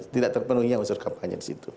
tidak terpenuhi unsur kampanye disitu